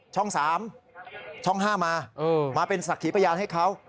ช่อง๓ช่อง๕มามาเป็นสักขีพยานให้เขา